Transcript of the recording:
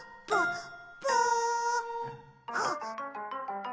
あっ！